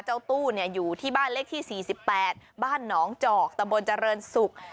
เจ้าตู้เนี้ยอยู่ที่บ้านเลขที่สี่สิบแปดบ้านน้องจอกตำบลเจริญศุกร์